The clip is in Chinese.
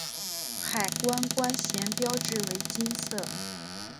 海关关衔标志为金色。